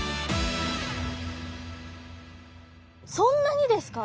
そんなにですか？